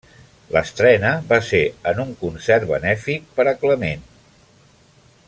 L'estrena va ser en un concert benèfic per a Clement.